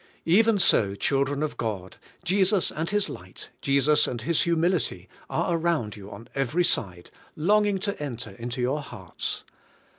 Even so, children of God, Jesus and His light, Jesus and His humilit}^ are around you on every side, longing to enter into your hearts.